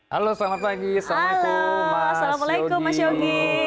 halo selamat pagi assalamualaikum mas yogi